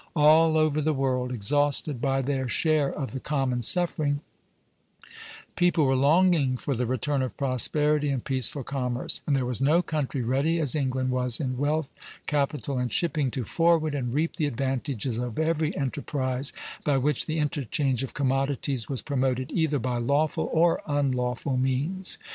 All over the world, exhausted by their share of the common suffering, people were longing for the return of prosperity and peaceful commerce; and there was no country ready as England was in wealth, capital, and shipping to forward and reap the advantages of every enterprise by which the interchange of commodities was promoted, either by lawful or unlawful means.